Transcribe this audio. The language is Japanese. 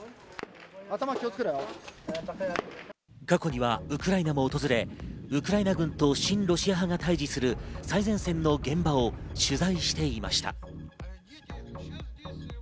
過去にはウクライナも訪れ、ウクライナ軍と親ロシア派が対峙する最前線の現場を取材していました。